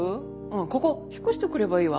ここ引っ越してくればいいわ。